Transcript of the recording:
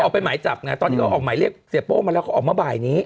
ไปหมายจับไงตอนนี้เขาออกหมายเรียกเสียโป้มาแล้วเขาออกมาบ่ายนี้